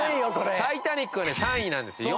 『タイタニック』は３位なんですよ。